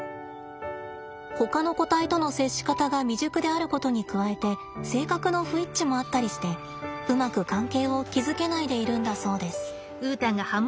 ほかの個体との接し方が未熟であることに加えて性格の不一致もあったりしてうまく関係を築けないでいるんだそうです。